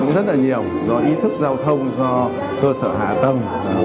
cũng rất là nhiều do ý thức giao thông do cơ sở hạ tâm